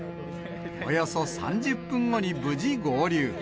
およそ３０分後に無事、合流。